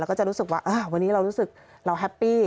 แล้วก็จะรู้สึกว่าวันนี้เรารู้สึกเราแฮปปี้